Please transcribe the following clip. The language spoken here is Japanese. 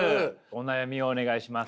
お悩みをお願いします。